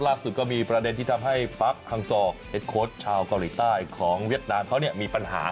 ล่าสุดก็มีประเด็นที่ทำให้ปั๊กฮังซอร์เอ็ดโค้ชชาวเกาหลีใต้ของเวียดนามเขามีปัญหา